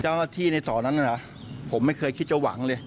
เจ้าหน้าที่ในสอนั้นเหรอผมไม่เคยคิดจะหวังเลย